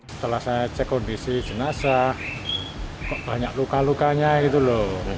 setelah saya cek kondisi jenazah banyak luka lukanya gitu loh